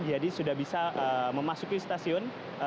jadi sudah bisa memasuki stasiun